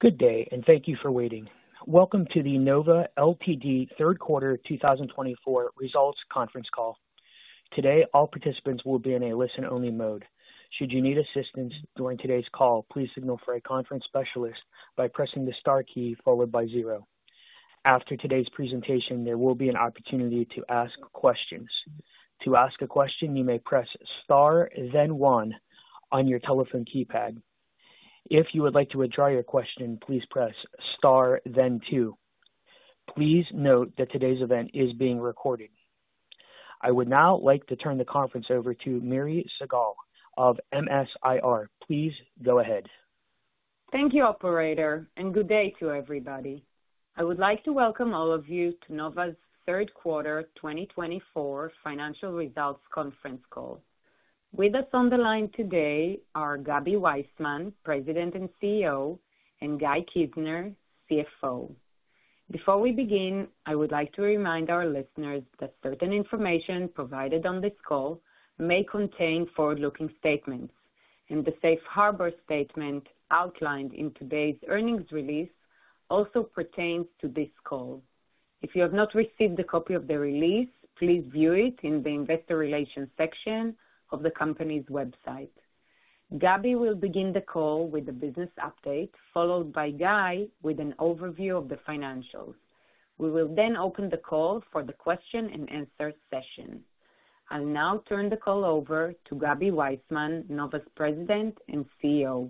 Good day, and thank you for waiting. Welcome to the Nova Ltd. third quarter 2024 results conference call. Today, all participants will be in a listen-only mode. Should you need assistance during today's call, please signal for a conference specialist by pressing the star key followed by zero. After today's presentation, there will be an opportunity to ask questions. To ask a question, you may press star, then one on your telephone keypad. If you would like to withdraw your question, please press star, then two. Please note that today's event is being recorded. I would now like to turn the conference over to Miri Segal of MS-IR. Please go ahead. Thank you, Operator, and good day to everybody. I would like to welcome all of you to Nova's third quarter 2024 financial results conference call. With us on the line today are Gaby Waisman, President and CEO, and Guy Kizner, CFO. Before we begin, I would like to remind our listeners that certain information provided on this call may contain forward-looking statements, and the Safe Harbor statement outlined in today's earnings release also pertains to this call. If you have not received a copy of the release, please view it in the investor relations section of the company's website. Gaby will begin the call with a business update, followed by Guy with an overview of the financials. We will then open the call for the question-and-answer session. I'll now turn the call over to Gaby Waisman, Nova's President and CEO.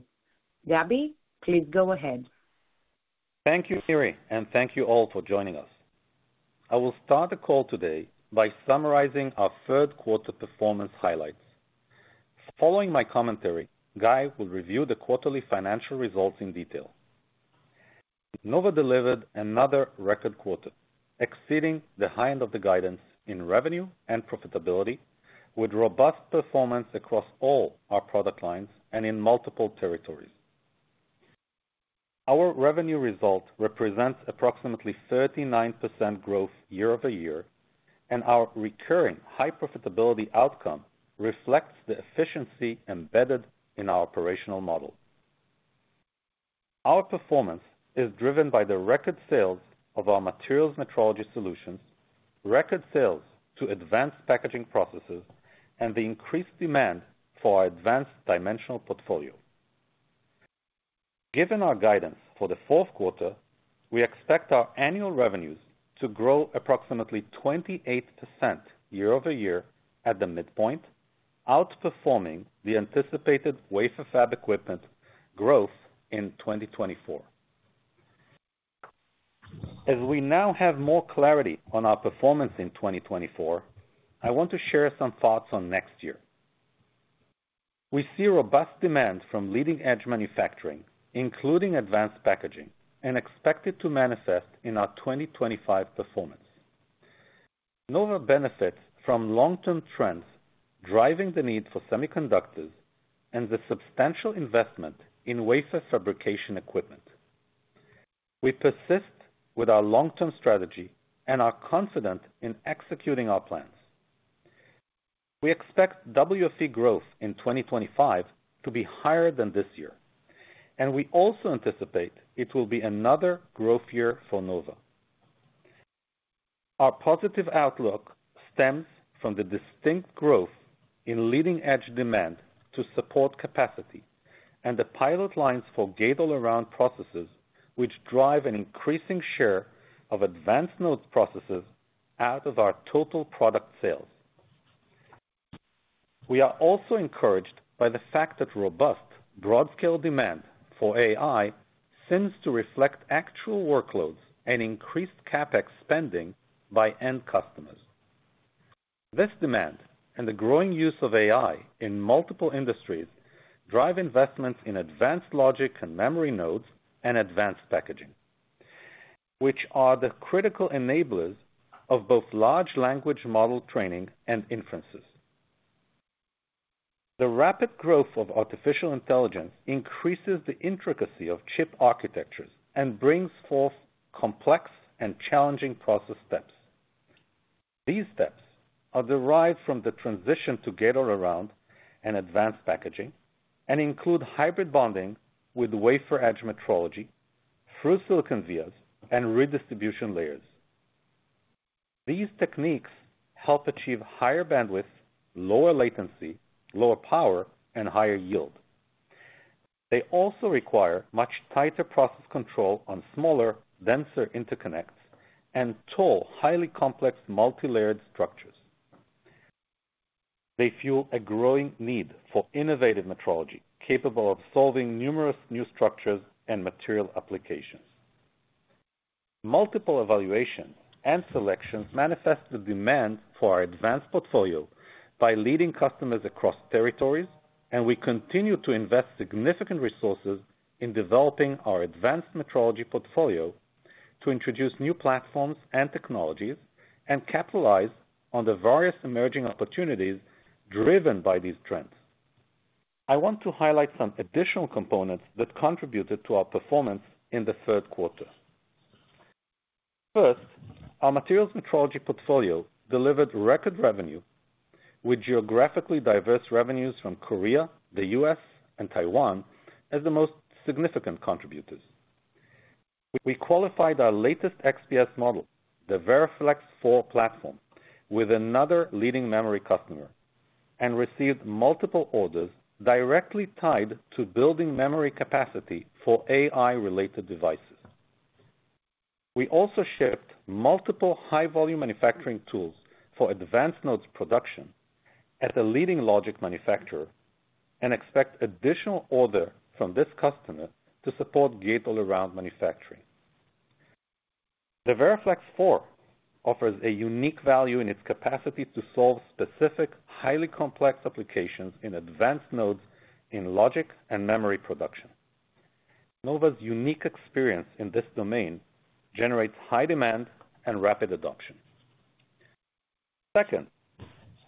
Gaby, please go ahead. Thank you, Miri, and thank you all for joining us. I will start the call today by summarizing our third quarter performance highlights. Following my commentary, Guy will review the quarterly financial results in detail. Nova delivered another record quarter, exceeding the high end of the guidance in revenue and profitability, with robust performance across all our product lines and in multiple territories. Our revenue result represents approximately 39% growth year-over-year, and our recurring high profitability outcome reflects the efficiency embedded in our operational model. Our performance is driven by the record sales of our materials metrology solutions, record sales to advanced packaging processes, and the increased demand for our advanced dimensional portfolio. Given our guidance for the fourth quarter, we expect our annual revenues to grow approximately 28% year-over-year at the midpoint, outperforming the anticipated wafer fab equipment growth in 2024. As we now have more clarity on our performance in 2024, I want to share some thoughts on next year. We see robust demand from leading-edge manufacturing, including Advanced Packaging, and expect it to manifest in our 2025 performance. Nova benefits from long-term trends driving the need for semiconductors and the substantial investment in wafer fabrication equipment. We persist with our long-term strategy and are confident in executing our plans. We expect WFE growth in 2025 to be higher than this year, and we also anticipate it will be another growth year for Nova. Our positive outlook stems from the distinct growth in leading-edge demand to support capacity and the pilot lines for Gate-All-Around processes, which drive an increasing share of advanced node processes out of our total product sales. We are also encouraged by the fact that robust broad-scale demand for AI seems to reflect actual workloads and increased CapEx spending by end customers. This demand and the growing use of AI in multiple industries drive investments in advanced logic and memory nodes and advanced packaging, which are the critical enablers of both large language model training and inferences. The rapid growth of artificial intelligence increases the intricacy of chip architectures and brings forth complex and challenging process steps. These steps are derived from the transition to Gate-All-Around and advanced packaging and include hybrid bonding with wafer edge metrology, through-silicon vias, and redistribution layers. These techniques help achieve higher bandwidth, lower latency, lower power, and higher yield. They also require much tighter process control on smaller, denser interconnects and tall, highly complex multi-layered structures. They fuel a growing need for innovative metrology capable of solving numerous new structures and material applications. Multiple evaluations and selections manifest the demand for our advanced portfolio by leading customers across territories, and we continue to invest significant resources in developing our advanced metrology portfolio to introduce new platforms and technologies and capitalize on the various emerging opportunities driven by these trends. I want to highlight some additional components that contributed to our performance in the third quarter. First, our materials metrology portfolio delivered record revenue, with geographically diverse revenues from Korea, the U.S., and Taiwan as the most significant contributors. We qualified our latest XPS model, the VeriFlex 4 platform, with another leading memory customer and received multiple orders directly tied to building memory capacity for AI-related devices. We also shipped multiple high-volume manufacturing tools for advanced nodes production at a leading logic manufacturer and expect additional order from this customer to support Gate-All-Around manufacturing. The VeriFlex 4 offers a unique value in its capacity to solve specific, highly complex applications in advanced nodes in logic and memory production. Nova's unique experience in this domain generates high demand and rapid adoption. Second,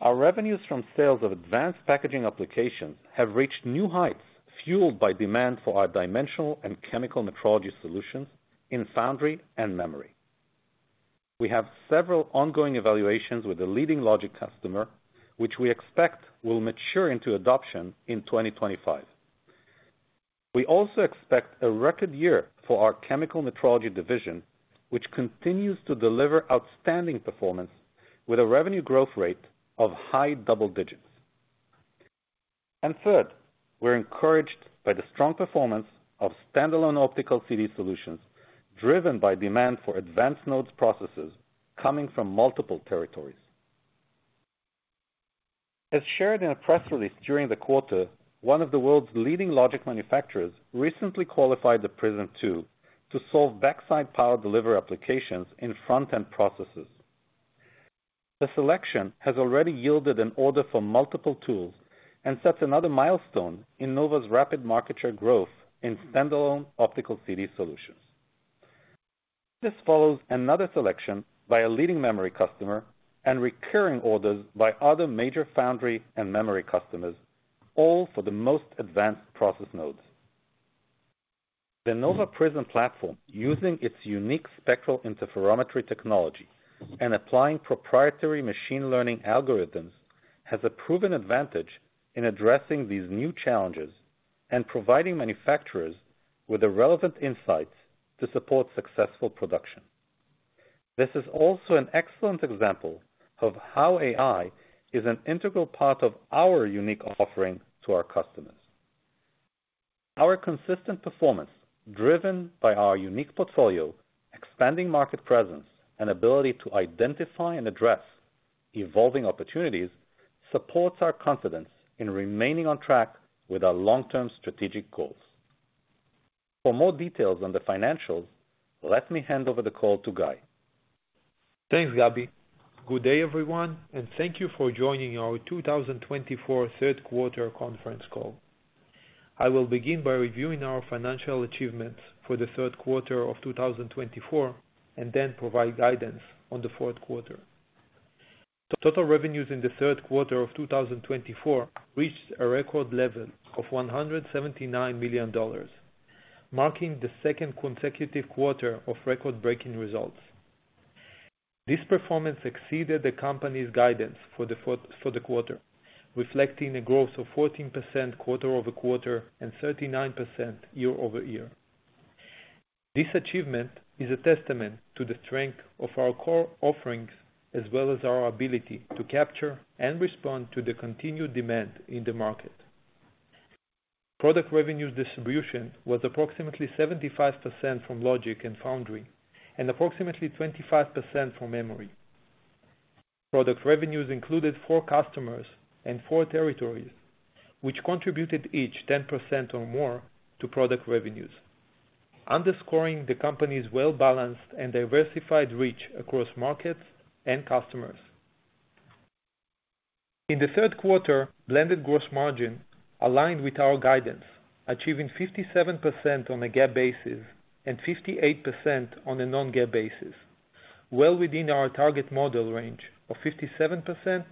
our revenues from sales of advanced packaging applications have reached new heights fueled by demand for our dimensional and chemical metrology solutions in foundry and memory. We have several ongoing evaluations with a leading logic customer, which we expect will mature into adoption in 2025. We also expect a record year for our chemical metrology division, which continues to deliver outstanding performance with a revenue growth rate of high double digits. Third, we're encouraged by the strong performance of standalone optical CD solutions driven by demand for advanced nodes processes coming from multiple territories. As shared in a press release during the quarter, one of the world's leading logic manufacturers recently qualified the Prism 2 to solve backside power delivery applications in front-end processes. The selection has already yielded an order for multiple tools and sets another milestone in Nova's rapid market share growth in standalone optical CD solutions. This follows another selection by a leading memory customer and recurring orders by other major foundry and memory customers, all for the most advanced process nodes. The Nova Prism platform, using its unique spectral interferometry technology and applying proprietary machine learning algorithms, has a proven advantage in addressing these new challenges and providing manufacturers with the relevant insights to support successful production. This is also an excellent example of how AI is an integral part of our unique offering to our customers. Our consistent performance, driven by our unique portfolio, expanding market presence, and ability to identify and address evolving opportunities, supports our confidence in remaining on track with our long-term strategic goals. For more details on the financials, let me hand over the call to Guy. Thanks, Gaby. Good day, everyone, and thank you for joining our 2024 third quarter conference call. I will begin by reviewing our financial achievements for the third quarter of 2024 and then provide guidance on the fourth quarter. Total revenues in the third quarter of 2024 reached a record level of $179 million, marking the second consecutive quarter of record-breaking results. This performance exceeded the company's guidance for the quarter, reflecting a growth of 14% quarter over quarter and 39% year-over-year. This achievement is a testament to the strength of our core offerings as well as our ability to capture and respond to the continued demand in the market. Product revenue distribution was approximately 75% from logic and foundry and approximately 25% from memory. Product revenues included four customers and four territories, which contributed each 10% or more to product revenues, underscoring the company's well-balanced and diversified reach across markets and customers. In the third quarter, blended gross margin aligned with our guidance, achieving 57% on a GAAP basis and 58% on a non-GAAP basis, well within our target model range of 57%-59%.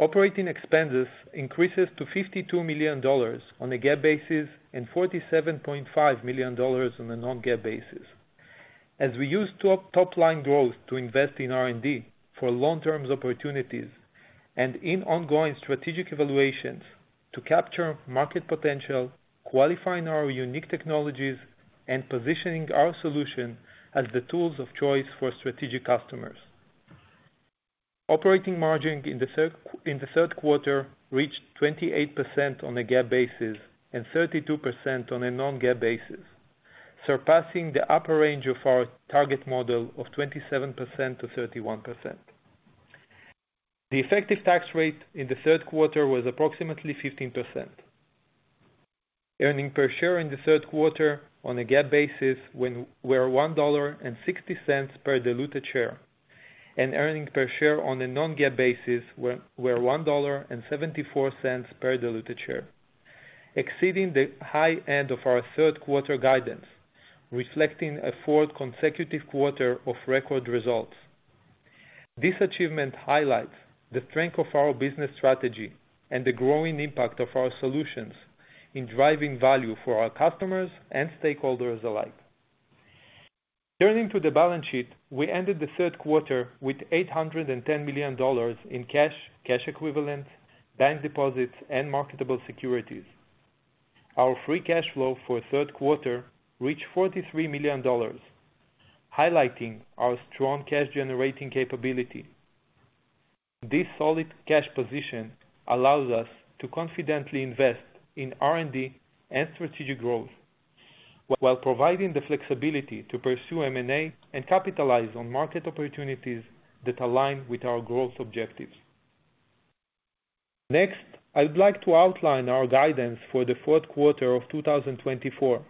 Operating expenses increased to $52 million on a GAAP basis and $47.5 million on a non-GAAP basis, as we used top-line growth to invest in R&D for long-term opportunities and in ongoing strategic evaluations to capture market potential, qualifying our unique technologies and positioning our solution as the tools of choice for strategic customers. Operating margin in the third quarter reached 28% on a GAAP basis and 32% on a non-GAAP basis, surpassing the upper range of our target model of 27%-31%. The effective tax rate in the third quarter was approximately 15%. Earnings per share in the third quarter on a GAAP basis was $1.60 per diluted share, and earnings per share on a non-GAAP basis was $1.74 per diluted share, exceeding the high end of our third quarter guidance, reflecting a fourth consecutive quarter of record results. This achievement highlights the strength of our business strategy and the growing impact of our solutions in driving value for our customers and stakeholders alike. Turning to the balance sheet, we ended the third quarter with $810 million in cash and cash equivalents, bank deposits, and marketable securities. Our free cash flow for the third quarter reached $43 million, highlighting our strong cash-generating capability. This solid cash position allows us to confidently invest in R&D and strategic growth while providing the flexibility to pursue M&A and capitalize on market opportunities that align with our growth objectives. Next, I'd like to outline our guidance for the fourth quarter of 2024.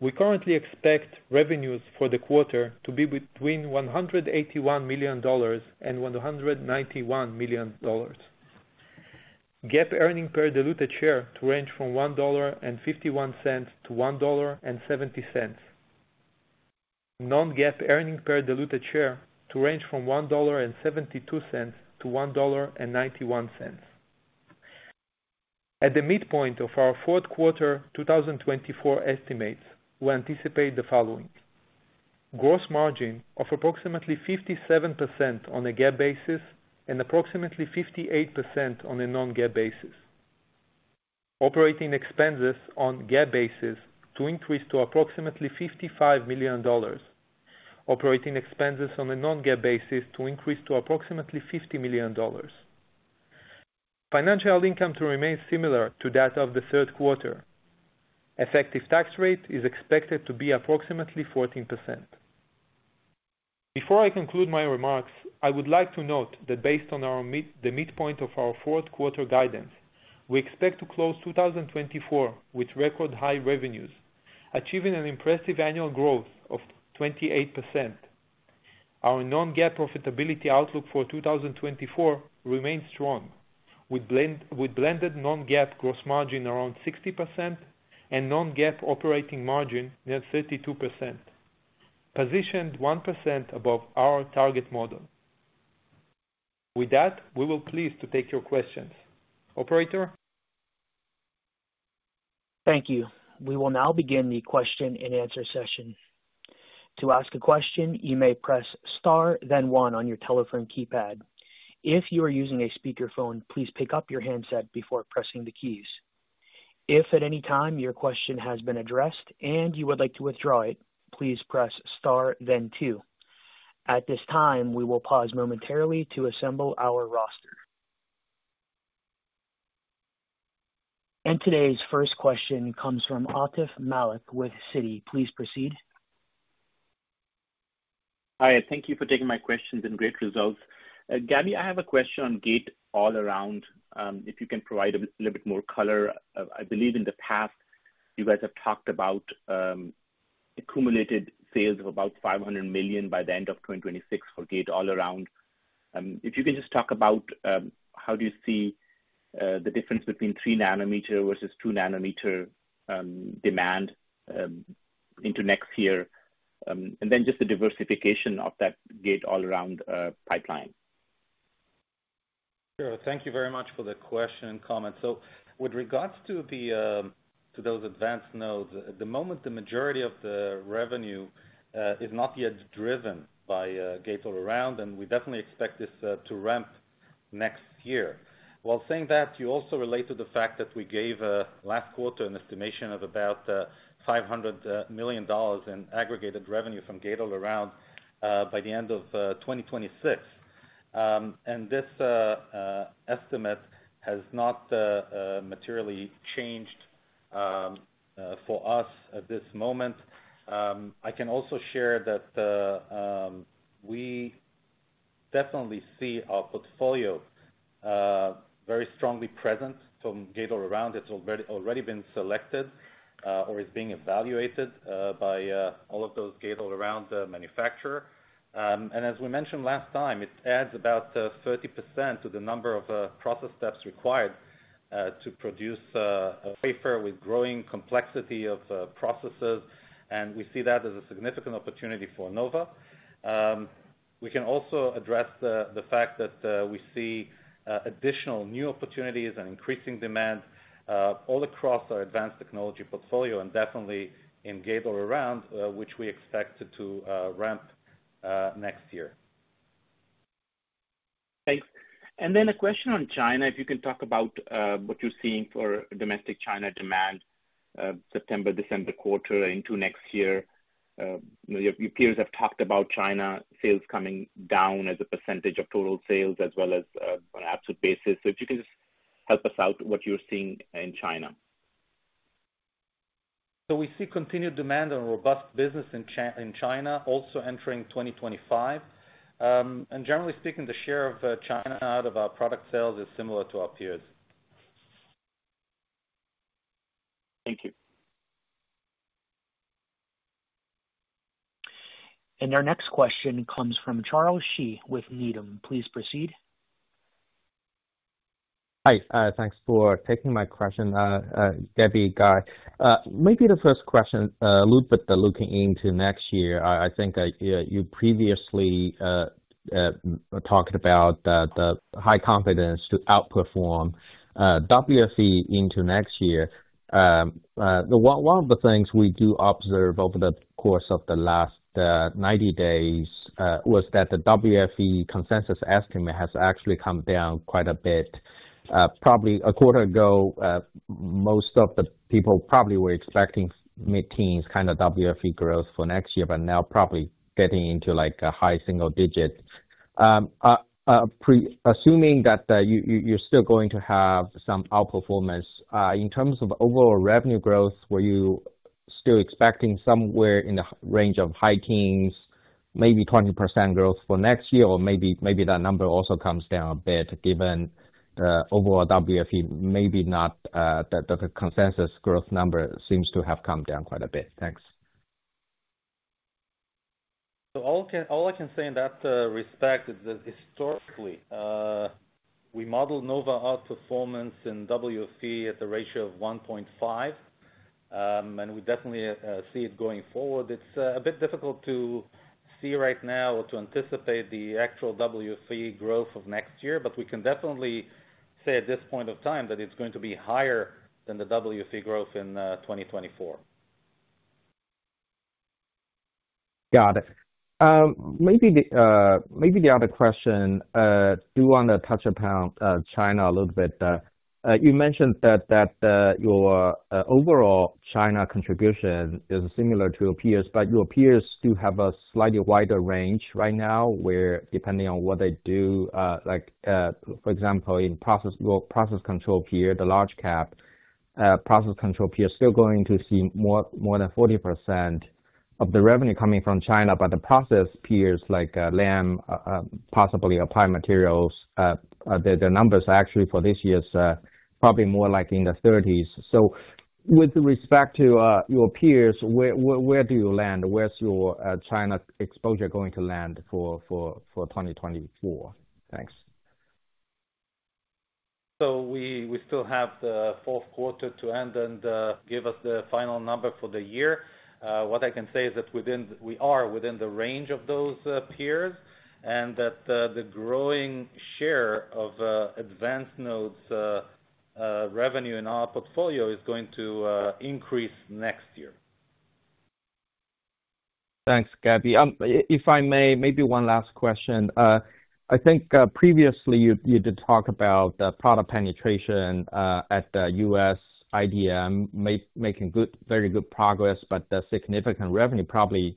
We currently expect revenues for the quarter to be between $181 million and $191 million, GAAP earnings per diluted share to range from $1.51 to $1.70, non-GAAP earnings per diluted share to range from $1.72 to $1.91. At the midpoint of our fourth quarter 2024 estimates, we anticipate the following: gross margin of approximately 57% on a GAAP basis and approximately 58% on a non-GAAP basis, operating expenses on GAAP basis to increase to approximately $55 million, operating expenses on a non-GAAP basis to increase to approximately $50 million. Financial income to remain similar to that of the third quarter. Effective tax rate is expected to be approximately 14%. Before I conclude my remarks, I would like to note that based on the midpoint of our fourth quarter guidance, we expect to close 2024 with record high revenues, achieving an impressive annual growth of 28%. Our non-GAAP profitability outlook for 2024 remains strong, with blended non-GAAP gross margin around 60% and non-GAAP operating margin near 32%, positioned 1% above our target model. With that, we will please take your questions. Operator. Thank you. We will now begin the question and answer session. To ask a question, you may press Star, then 1 on your telephone keypad. If you are using a speakerphone, please pick up your handset before pressing the keys. If at any time your question has been addressed and you would like to withdraw it, please press Star, then 2. At this time, we will pause momentarily to assemble our roster, and today's first question comes from Atif Malik with Citi. Please proceed. Hi. Thank you for taking my questions and great results. Gaby, I have a question on Gate-All-Around. If you can provide a little bit more color. I believe in the past, you guys have talked about accumulated sales of about $500 million by the end of 2026 for Gate-All-Around. If you can just talk about how do you see the difference between three nanometer versus two nanometer demand into next year, and then just the diversification of that Gate-All-Around pipeline. Sure. Thank you very much for the question and comment. So with regards to those advanced nodes, at the moment, the majority of the revenue is not yet driven by Gate-All-Around, and we definitely expect this to ramp next year. While saying that, you also relate to the fact that we gave last quarter an estimation of about $500 million in aggregated revenue from Gate-All-Around by the end of 2026. And this estimate has not materially changed for us at this moment. I can also share that we definitely see our portfolio very strongly present from Gate-All-Around. It's already been selected or is being evaluated by all of those Gate-All-Around manufacturers. And as we mentioned last time, it adds about 30% to the number of process steps required to produce a wafer with growing complexity of processes. We see that as a significant opportunity for Nova. We can also address the fact that we see additional new opportunities and increasing demand all across our advanced technology portfolio and definitely in Gate-All-Around, which we expect to ramp next year. Thanks, and then a question on China. If you can talk about what you're seeing for domestic China demand, September, December quarter into next year. Your peers have talked about China sales coming down as a percentage of total sales as well as on an absolute basis. So if you can just help us out what you're seeing in China. We see continued demand and robust business in China also entering 2025. Generally speaking, the share of China out of our product sales is similar to our peers. Thank you. Our next question comes from Charles Shi with Needham. Please proceed. Hi. Thanks for taking my question, Gaby, Guy. Maybe the first question a little bit looking into next year. I think you previously talked about the high confidence to outperform WFE into next year. One of the things we do observe over the course of the last 90 days was that the WFE consensus estimate has actually come down quite a bit. Probably a quarter ago, most of the people probably were expecting mid-teens kind of WFE growth for next year, but now probably getting into a high single digit. Assuming that you're still going to have some outperformance in terms of overall revenue growth, were you still expecting somewhere in the range of high teens, maybe 20% growth for next year, or maybe that number also comes down a bit given the overall WFE? Maybe not. The consensus growth number seems to have come down quite a bit. Thanks. So all I can say in that respect is that historically, we modeled Nova outperformance in WFE at a ratio of 1.5, and we definitely see it going forward. It's a bit difficult to see right now or to anticipate the actual WFE growth of next year, but we can definitely say at this point of time that it's going to be higher than the WFE growth in 2024. Got it. Maybe the other question, do you want to touch upon China a little bit? You mentioned that your overall China contribution is similar to peers, but your peers do have a slightly wider range right now where, depending on what they do, for example, in process control peer, the large cap process control peer, still going to see more than 40% of the revenue coming from China, but the process peers like Lam, possibly Applied Materials, their numbers actually for this year probably more like in the 30s. So with respect to your peers, where do you land? Where's your China exposure going to land for 2024? Thanks. So we still have the fourth quarter to end and give us the final number for the year. What I can say is that we are within the range of those peers and that the growing share of advanced nodes revenue in our portfolio is going to increase next year. Thanks, Gaby. If I may, maybe one last question. I think previously you did talk about the product penetration at the U.S. IDM making very good progress, but the significant revenue probably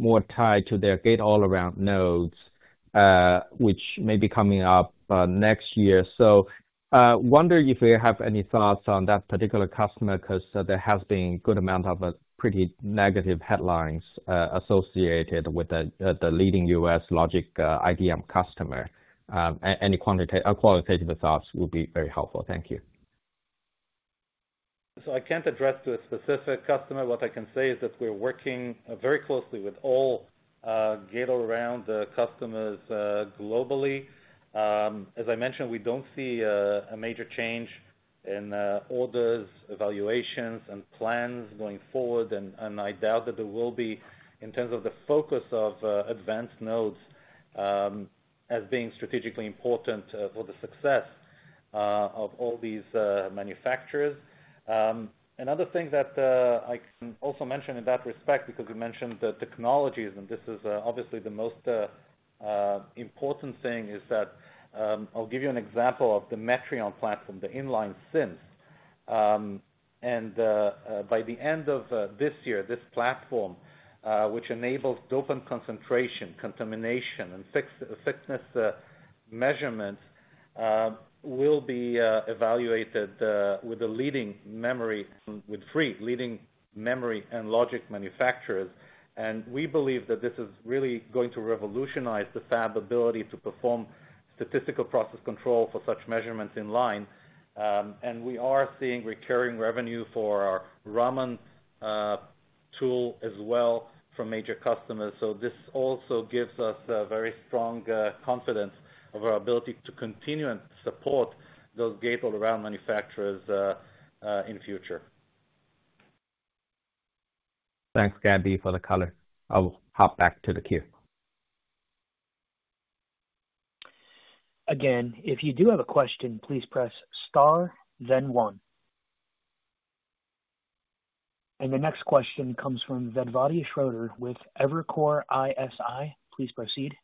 more tied to their Gate-All-Around nodes, which may be coming up next year. So I wonder if you have any thoughts on that particular customer because there has been a good amount of pretty negative headlines associated with the leading U.S. Logic IDM customer. Any qualitative thoughts would be very helpful. Thank you. So I can't address a specific customer. What I can say is that we're working very closely with all Gate-All-Around customers globally. As I mentioned, we don't see a major change in orders, evaluations, and plans going forward, and I doubt that there will be in terms of the focus of advanced nodes as being strategically important for the success of all these manufacturers. Another thing that I can also mention in that respect, because you mentioned the technologies, and this is obviously the most important thing, is that I'll give you an example of the Metrion platform, the Inline SIMS. And by the end of this year, this platform, which enables dopant concentration, contamination, and thickness measurement, will be evaluated with three leading memory and logic manufacturers. And we believe that this is really going to revolutionize the fab ability to perform statistical process control for such measurements in line. And we are seeing recurring revenue for our Raman tool as well from major customers. So this also gives us very strong confidence of our ability to continue and support those Gate-All-Around manufacturers in the future. Thanks, Gaby, for the color. I'll hop back to the queue. Again, if you do have a question, please press Star, then 1. And the next question comes from Vedvati Shrotre with Evercore ISI. Please proceed.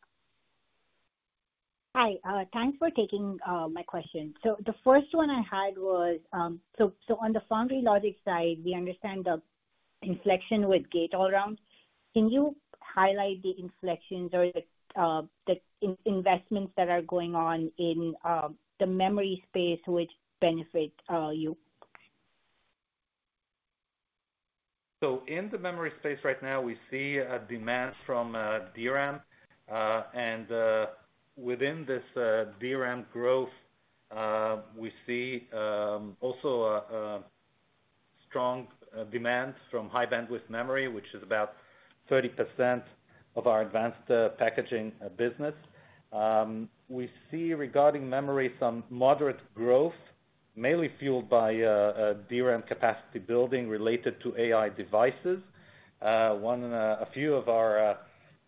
Hi. Thanks for taking my question. So the first one I had was, so on the foundry logic side, we understand the inflection with Gate-All-Around. Can you highlight the inflections or the investments that are going on in the memory space which benefit you? So in the memory space right now, we see demand from DRAM. And within this DRAM growth, we see also strong demand from high bandwidth memory, which is about 30% of our advanced packaging business. We see regarding memory some moderate growth, mainly fueled by DRAM capacity building related to AI devices. A few of our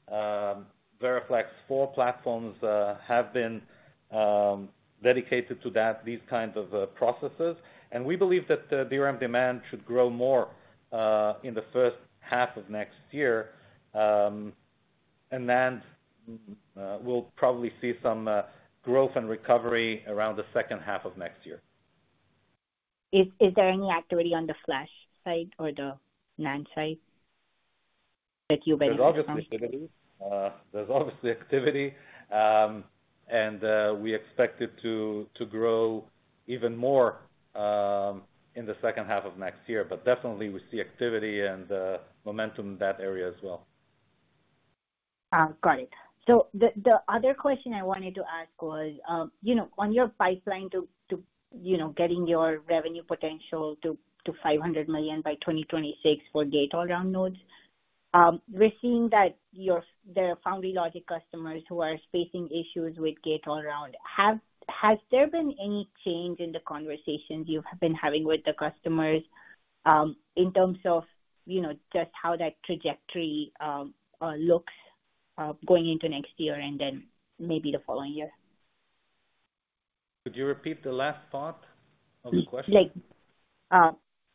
VeriFlex 4 platforms have been dedicated to these kinds of processes. And we believe that DRAM demand should grow more in the first half of next year. And then we'll probably see some growth and recovery around the second half of next year. Is there any activity on the flash side or the NAND side that you've been involved with? There's obviously activity. And we expect it to grow even more in the second half of next year. But definitely, we see activity and momentum in that area as well. Got it. So the other question I wanted to ask was, on your pipeline to getting your revenue potential to $500 million by 2026 for Gate-All-Around nodes, we're seeing that the foundry logic customers who are facing issues with Gate-All-Around, has there been any change in the conversations you have been having with the customers in terms of just how that trajectory looks going into next year and then maybe the following year? Could you repeat the last part of the question?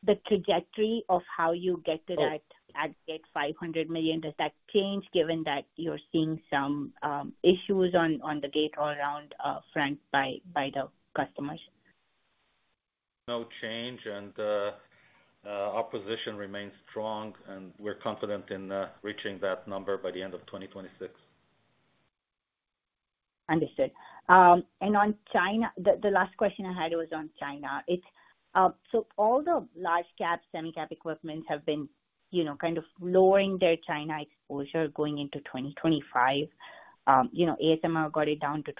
The trajectory of how you get to that at 500 million, does that change given that you're seeing some issues on the Gate-All-Around front by the customers? No change. And the opposition remains strong. And we're confident in reaching that number by the end of 2026. Understood. And on China, the last question I had was on China. So all the large cap, semi-cap equipments have been kind of lowering their China exposure going into 2025. ASML got it down to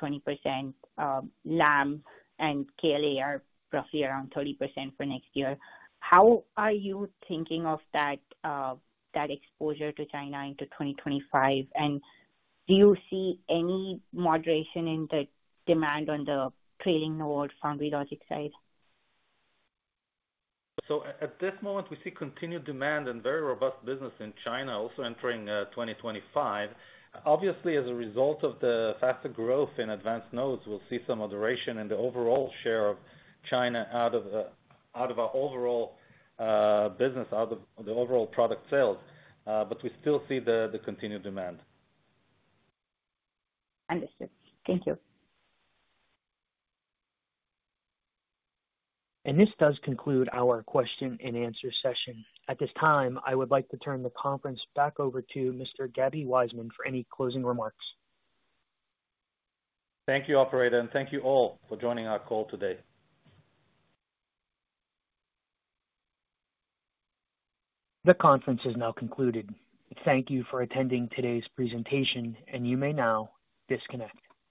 20%. Lam and KLA are roughly around 30% for next year. How are you thinking of that exposure to China into 2025? And do you see any moderation in the demand on the trailing node foundry logic side? So at this moment, we see continued demand and very robust business in China also entering 2025. Obviously, as a result of the faster growth in advanced nodes, we'll see some moderation in the overall share of China out of our overall business, out of the overall product sales. But we still see the continued demand. Understood. Thank you. This does conclude our question and answer session. At this time, I would like to turn the conference back over to Mr. Gaby Waisman for any closing remarks. Thank you, Operator. And thank you all for joining our call today. The conference is now concluded. Thank you for attending today's presentation, and you may now disconnect.